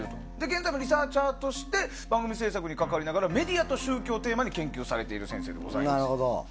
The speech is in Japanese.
現在もリサーチャーとして番組制作に関わりながらメディアと宗教をテーマに研究されている先生でございます。